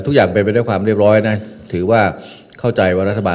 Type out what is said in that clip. ทุกอย่างเป็นไปด้วยความเรียบร้อยนะถือว่าเข้าใจว่ารัฐบาล